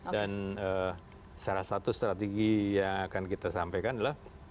dan salah satu strategi yang akan kita sampaikan adalah